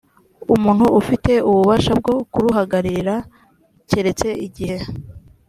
umuntu ufite ububasha bwo kuruhagararira keretse igihe